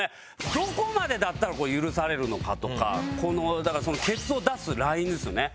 どこまでだったら許されるのかとかだからそのケツを出すラインですよね。